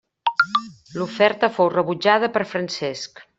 L'oferta fou rebutjada per Francesc.